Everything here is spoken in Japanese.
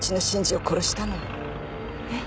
えっ？